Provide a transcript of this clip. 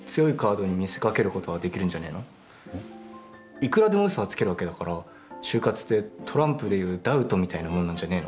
いくらでもうそはつけるわけだから就活ってトランプでいうダウトみたいなもんなんじゃねえの。